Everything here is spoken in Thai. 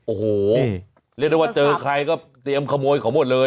โอ้โหเรียกได้ว่าเจอใครก็เตรียมขโมยของหมดเลย